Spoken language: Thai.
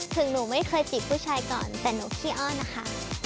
หนูไม่เคยจีบผู้ชายก่อนแต่หนูขี้อ้อนนะคะ